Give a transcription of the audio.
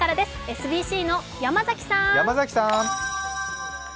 ＳＢＣの山崎さん。